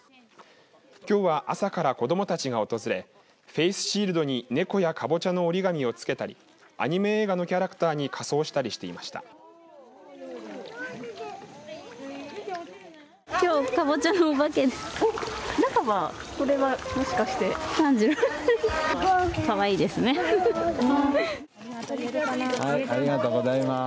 きょうは朝から子どもたちが訪れフェイスシールドに猫やかぼちゃの折り紙を付けたりアニメ映画のキャラクターに仮装したりしていました。